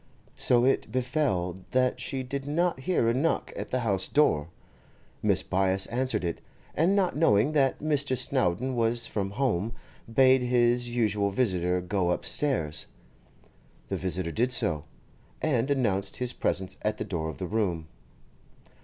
So it befell that she did not hear a knock at the house door. Mrs. Byass answered it, and not knowing that Mr. Snowdon was from home, bade his usual visitor go upstairs. The visitor did so, and announced his presence at the door of the room.